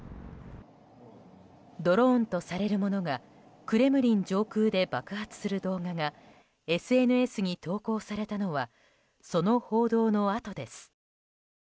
ドローンとされるものがクレムリン上空で爆発する動画がＳＮＳに投稿されたのはその報道のあとです。